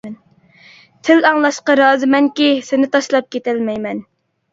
تىل ئاڭلاشقا رازىمەنكى، سېنى تاشلاپ كېتەلمەيمەن.